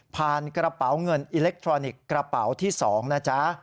กระเป๋าเงินอิเล็กทรอนิกส์กระเป๋าที่๒นะจ๊ะ